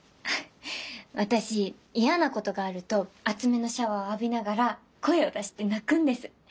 私嫌なことがあると熱めのシャワーを浴びながら声を出して泣くんです。